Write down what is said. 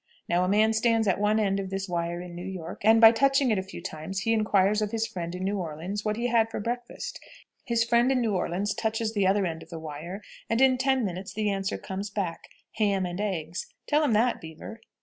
Now a man stands at one end of this wire in New York, and by touching it a few times he inquires of his friend in New Orleans what he had for breakfast. His friend in New Orleans touches the other end of the wire, and in ten minutes the answer comes back ham and eggs. Tell him that, Beaver."